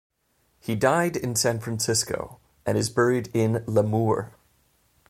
He died in San Francisco, and is buried in Lemoore.